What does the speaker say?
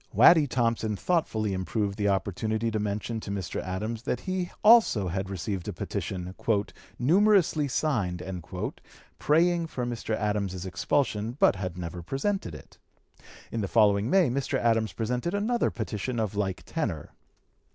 Waddy Thompson thoughtfully improved the opportunity to mention to Mr. Adams that he also had received a petition, "numerously signed," praying for Mr. Adams's expulsion, but had never presented it. In the following May Mr. Adams presented another petition of like tenor.